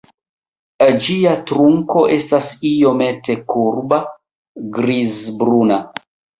Ĝia trunko estas iomete kurba, grizbruna.